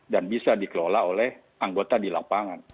dan bisa dikelola oleh anggota di lapangan